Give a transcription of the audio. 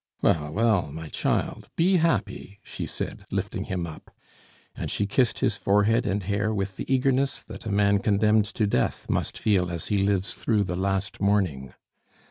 "Well, well, my child, be happy," she said, lifting him up. And she kissed his forehead and hair with the eagerness that a man condemned to death must feel as he lives through the last morning.